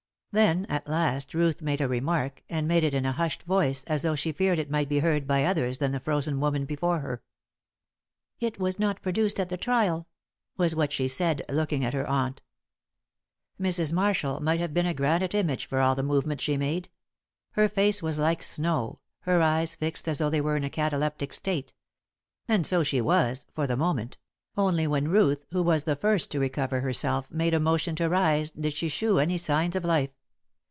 Then at last Ruth made a remark, and made it in a hushed voice, as though she feared it might be heard by others than the frozen woman before her. "It was not produced at the trial," was what she said, looking at her aunt. Mrs. Marshall might have been a granite image for all the movement she made. Her face was like snow, her eyes fixed as though she were in a cataleptic state. And so she was for the moment. Only when Ruth, who was the first to recover herself, made a motion to rise did she shew any signs of life.